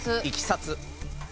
いきさつ。